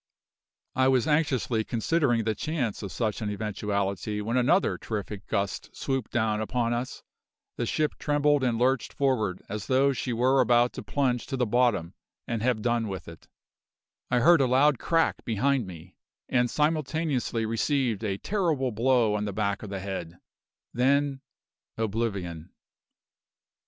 I was anxiously considering the chance of such an eventuality when another terrific gust swooped down upon us; the ship trembled and lurched forward as though she were about to plunge to the bottom and have done with it; I heard a loud "crack" behind me, and simultaneously received a terrible blow on the back of the head; then oblivion.